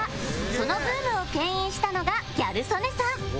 そのブームを牽引したのがギャル曽根さん